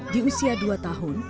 di usia dua tahun